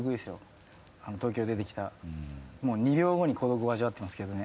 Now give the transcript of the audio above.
東京出てきたもう２秒後に孤独を味わってますけどね。